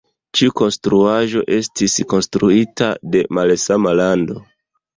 Ĉiu konstruaĵo estis konstruita de malsama lando.